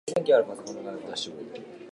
かいかいしき